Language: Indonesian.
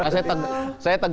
saya tegang ketemu teh meli